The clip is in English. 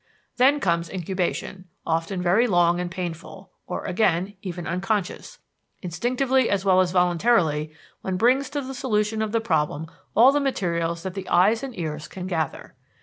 "Then comes incubation, often very long and painful, or, again, even unconscious. Instinctively as well as voluntarily one brings to the solution of the problem all the materials that the eyes and ears can gather.